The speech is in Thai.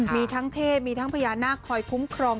มีทั้งเพศมีทั้งพญานาคคอยคุ้มครอง